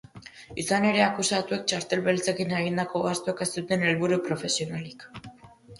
Izan ere, akusatuek txartel beltzekin egindako gastuek ez zuten helburu profesionalik.